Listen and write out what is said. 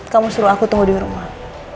kamu suruh aku tunggu di rumah